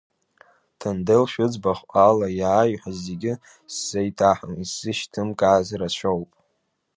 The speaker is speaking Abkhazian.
Ҭандел шәыӡбахә ала иааиҳәаз зегьы сзеиҭаҳәом, исзышьҭымкааз рацәоуп.